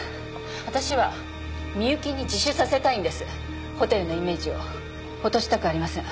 私は美雪に自首させたいんですホテルのイメージを落としたくありません